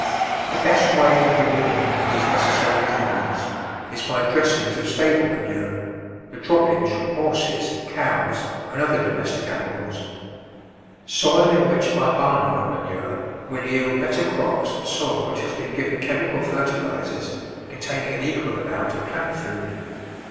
The best way of renewing these necessary ele ments is by dressings of stable manure — the drop pings from horses, cows, and other domestic ani mals. Soil enriched by barn yard manure will yield better crops than soil which has been given chem ical fertilisers containing an equal amount of plant food.